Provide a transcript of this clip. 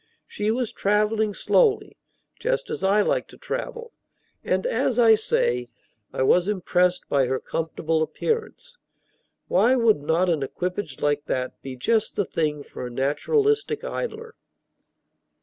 She was traveling slowly, just as I like to travel; and, as I say, I was impressed by her comfortable appearance. Why would not an equipage like that be just the thing for a naturalistic idler?